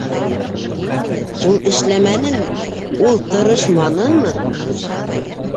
Ул эшләмәнеме, ул тырышманымы?